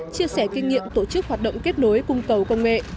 chia sẻ kinh nghiệm tổ chức hoạt động kết nối cung cầu công nghệ